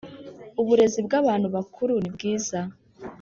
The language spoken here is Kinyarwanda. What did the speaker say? uburezi bw abantu bakuru nibwiza